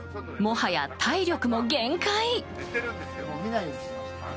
もはや体力も限界。